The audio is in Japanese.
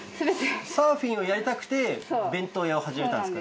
サーフィンをやりたくて弁当屋を始めたんですか？